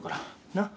なっ？